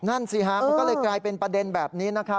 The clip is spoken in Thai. นั่นสิฮะมันก็เลยกลายเป็นประเด็นแบบนี้นะครับ